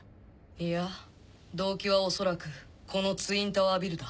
いや動機は恐らくこのツインタワービルだ。